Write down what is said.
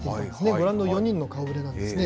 ご覧の４人の顔ぶれなんですね。